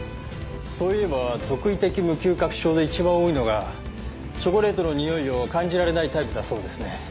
そういえば特異的無嗅覚症で一番多いのがチョコレートのにおいを感じられないタイプだそうですね。